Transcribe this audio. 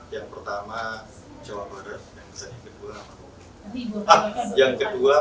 yang pertama jawa barat dan yang kedua papua barat daya